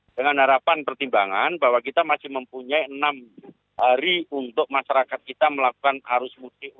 dengan harapan pertimbangan bahwa kita masih mempunyai enam hari untuk masyarakat kita melakukan arus mudik